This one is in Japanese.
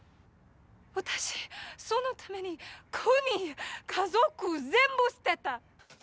私そのために国家族全部捨てた！